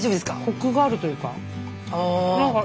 コクがあるというか。